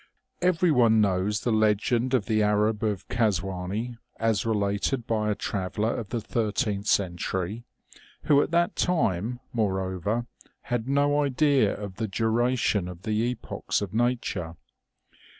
Everyone knows the legend of the Arab of Kazwani, as related by a traveller of the thirteenth century, who at that time, moreover, had no idea of the duration of the epochs of nature.